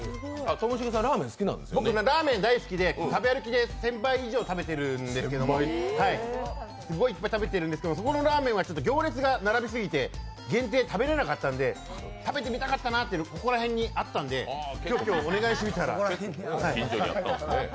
僕ラーメン大好きで食べ歩きで１０００杯以上食べてるんですけどすごいいっぱい食べてるんですけどそこのラーメンは行列ができすぎて限定が食べれなかったので、食べてみたかったなというのがここら辺にあったんで今日お願いしてみたら。